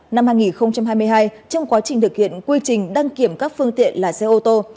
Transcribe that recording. năm hai nghìn hai mươi hai trong quá trình thực hiện quy trình đăng kiểm các phương tiện là xe ô tô